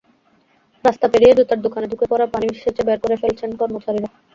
রাস্তা পেরিয়ে জুতার দোকানে ঢুকে পড়া পানি সেচে বের করে ফেলছেন কর্মচারীরা।